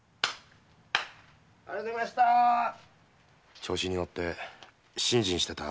調子に乗って信心してた子宝